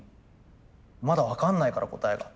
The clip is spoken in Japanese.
まだ分かんないから答えが。